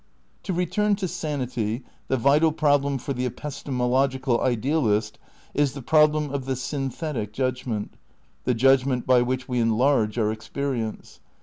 To return to sanity, the vital problem for the episte mological idealist is the problem of the synthetic judg ment; the judgment by which we enlarge our experi ence.